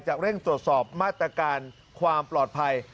เร่งตรวจสอบมาตรการความปลอดภัย